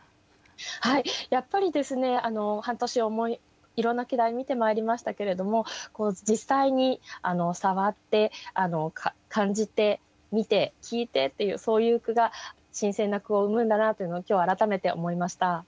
はいやっぱり半年いろんな季題見てまいりましたけれども実際に触って感じて見て聞いてっていうそういう句が新鮮な句を生むんだなというのを今日改めて思いました。